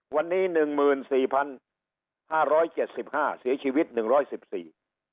วันนี้หนึ่งหมื่นสี่พันห้าร้อยเจ็ดสิบห้าเสียชีวิตหนึ่งร้อยสิบสี่